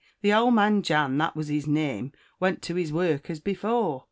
The ould man, Jan, that was es neame, went to es work as before.